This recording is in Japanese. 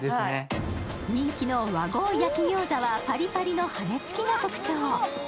人気の和合焼き餃子はパリパリの羽根付きが特徴。